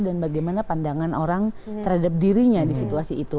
dan bagaimana pandangan orang terhadap dirinya di situasi itu